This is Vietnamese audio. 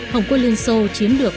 hồng quân liên xô chiến được